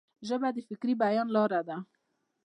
ژبه د فکري بیان لار ده.